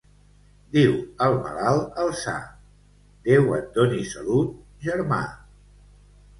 Diu el malalt al sa: Déu et doni salut, germà.